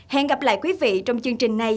hẹn gặp lại quý vị trong chương trình này